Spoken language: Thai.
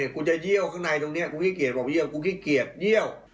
คุณจะเยี่ยวข้างในตรงนี้กูขี้เกียจบอกเยี่ยวกูขี้เกียจเยี่ยว